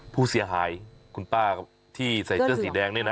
ผู้เสียหายคุณป้าที่ใส่เสื้อสีแดงนี่นะ